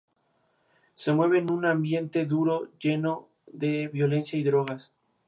Se mueve en un ambiente duro, lleno de violencia y drogas.